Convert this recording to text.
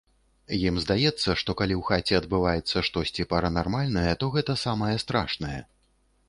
Ім здаецца, што калі ў хаце адбываецца штосьці паранармальнае, то гэта самае страшнае.